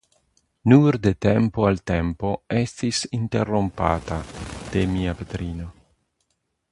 Nur de tempo al tempo estis interrompata de mia patrino.